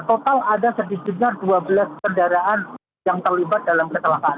total ada sedikitnya dua belas kendaraan yang terlibat dalam kecelakaan